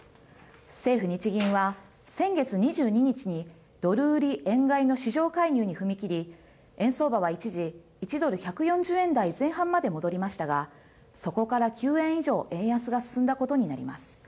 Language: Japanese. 政府・日銀は先月２２日にドル売り円買いの市場介入に踏み切り円相場は一時、１ドル１４０円台前半まで戻りましたがそこから９円以上、円安が進んだことになります。